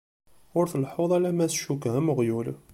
Ur tleḥḥuḍ alamma s ccuka am uɣyul.